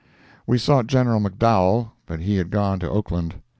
We sought General McDowell, but he had gone to Oakland.